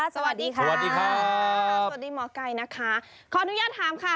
สวัสดีค่ะสวัสดีหมอไก่นะคะขออนุญาตถามค่ะ